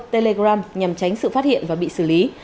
telegram nhằm tránh sự phát hiện và bị xử lý